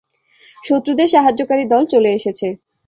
শত্রুদের সাহায্যকারী দল চলে এসেছে।